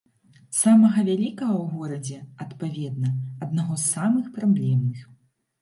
Самага вялікага ў горадзе, адпаведна, аднаго з самых праблемных.